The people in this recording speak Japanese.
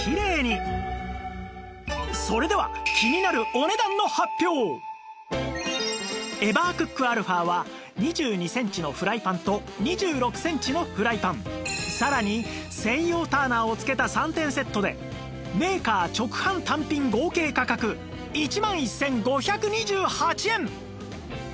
それではエバークック α は２２センチのフライパンと２６センチのフライパンさらに専用ターナーを付けた３点セットでメーカー直販単品合計価格１万１５２８円のところ